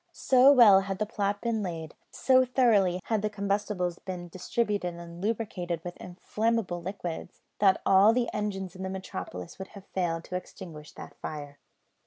So well had the plot been laid; so thoroughly had the combustibles been distributed and lubricated with inflammable liquids, that all the engines in the metropolis would have failed to extinguish that fire.